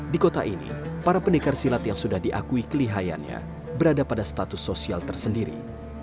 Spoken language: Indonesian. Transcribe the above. di kota ini para pendekar silat yang sudah diakui kelihayannya berada pada status sosial tersendiri